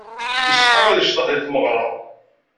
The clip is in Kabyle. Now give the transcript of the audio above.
Isetḥa ad icḍeḥ di tmeɣra.